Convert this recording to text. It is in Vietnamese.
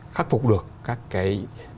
khắc phục được các cái